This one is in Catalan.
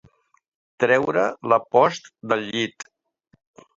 Treure la post del llit.